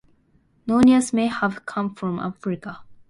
Nonius may have come from Africa.